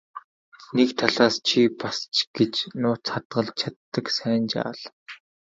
Нэг талаас чи бас ч гэж нууц хадгалж чаддаг сайн жаал.